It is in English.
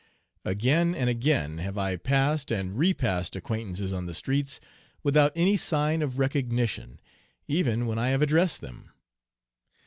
Again and again have I passed and repassed acquaintances on the streets without any sign of recognition, even when I have addressed them.